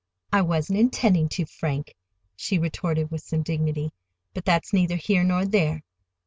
"I wasn't intending to, Frank," she retorted with some dignity. "But that's neither here nor there.